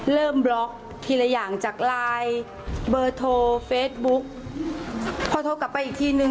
บล็อกทีละอย่างจากไลน์เบอร์โทรเฟซบุ๊กพอโทรกลับไปอีกทีนึง